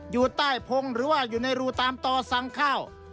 อยู่ใต้พงหรือว่าอยู่ในรูตามต่อสั่งข้าว